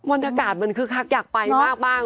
อาจารย์มันคือคักอยากไปมากบ้าง